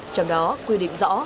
trong đó quy định rõ